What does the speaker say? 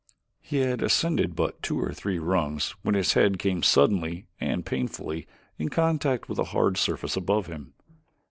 He had ascended but two or three rungs when his head came suddenly and painfully in contact with a hard surface above him.